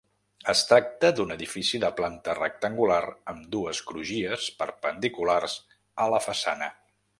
Es tracta d'un edifici de planta rectangular amb dues crugies perpendiculars a la façana.